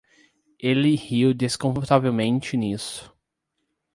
Ele riu desconfortavelmente nisso.